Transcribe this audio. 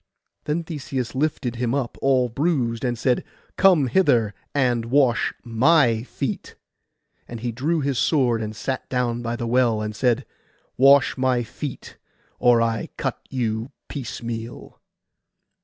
Then Theseus lifted him up all bruised, and said, 'Come hither and wash my feet.' And he drew his sword, and sat down by the well, and said, 'Wash my feet, or I cut you piecemeal.